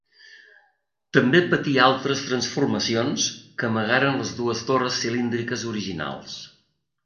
També patí altres transformacions, que amagaren les dues torres cilíndriques originals.